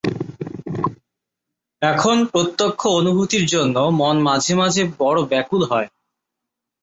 এখন প্রত্যক্ষ অনুভূতির জন্য মন মাঝে মাঝে বড় ব্যাকুল হয়।